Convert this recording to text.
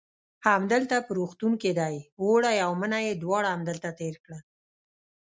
همدلته په روغتون کې دی، اوړی او منی یې دواړه همدلته تېر کړل.